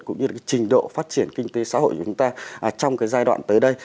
cũng như là cái trình độ phát triển kinh tế xã hội của chúng ta trong cái giai đoạn tới đây